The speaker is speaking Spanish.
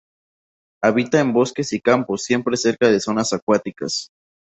Habita en bosques y campos, siempre cerca de zonas acuáticas.